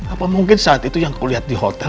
apa mungkin saat itu yang kulihat di hotel